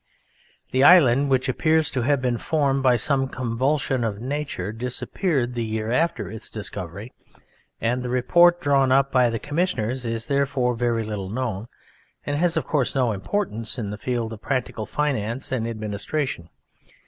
The island, which appears to have been formed by some convulsion of nature, disappeared the year after its discovery, and the report drawn up by the Commissioners is therefore very little known, and has of course no importance in the field of practical finance and administration.